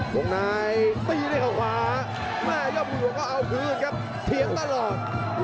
ดงนายตีด้วยเขาขวาแม่ย่อพิรวมก็เอาคืนครับเทียดตลอด